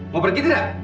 mau pergi tidak